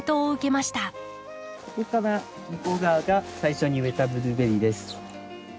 ここから向こう側が最初に植えたブルーベリーです。